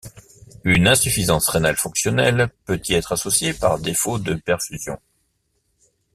Une insuffisance rénale fonctionnelle peut y être associée par défaut de perfusion.